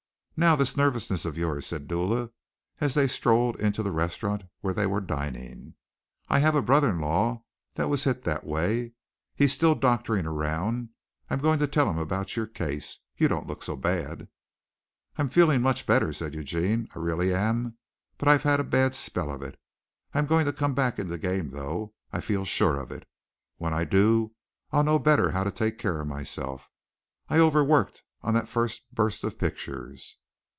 "Now this nervousness of yours," said Dula, as they strolled into the restaurant where they were dining. "I have a brother in law that was hit that way. He's still doctoring around. I'm going to tell him about your case. You don't look so bad." "I'm feeling much better," said Eugene. "I really am but I've had a bad spell of it. I'm going to come back in the game, though, I feel sure of it. When I do I'll know better how to take care of myself. I over worked on that first burst of pictures."